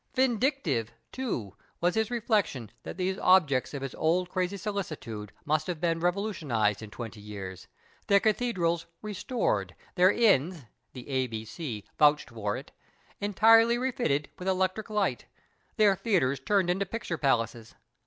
Vindictive, too, was his reflection that these objects of his old crazy solicitude must have been revolutionized in twenty years, their cathedrals " restored," their inns (the " A.B.C." vouched for it) " entirely refitted with electric light," their theatres turned into picture palaces.